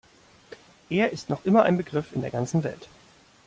Er ist noch immer ein Begriff in der ganzen Welt.